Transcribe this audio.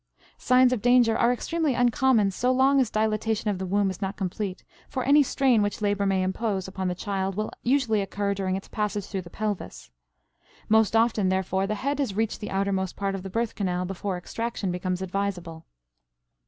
Signs of danger are extremely uncommon so long as dilatation of the womb is not complete, for any strain which labor may impose upon the child will usually occur during its passage through the pelvis. Most often, therefore, the head has reached the outermost part of the birth canal before extraction becomes advisable.